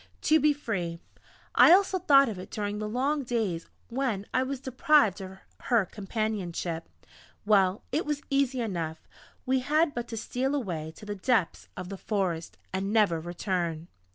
To be free! I also thought of it during the long days when I was deprived of her companionship.... Well! It was easy enough! We had but to steal away to the depths of the forest, and never return!